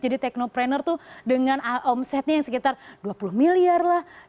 jadi teknoprener tuh dengan omsetnya yang sekitar dua puluh miliar lah